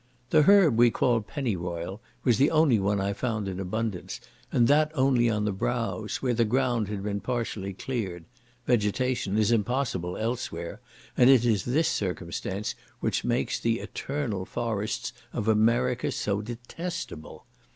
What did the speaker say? The herb we call pennyroyal was the only one I found in abundance, and that only on the brows, where the ground had been partially cleared; vegetation is impossible elsewhere, and it is this circumstance which makes the "eternal forests" of America so detestable.